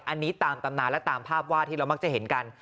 อันนี้ตามตำนานและตามภาพวาดที่เรามักจะเห็นกัน